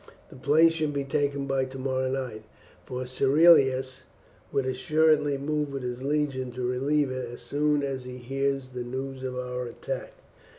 The place should be taken by tomorrow night, for Cerealis will assuredly move with his legion to relieve it as soon as he hears the news of our attack."